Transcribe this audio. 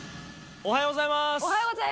おはようございます。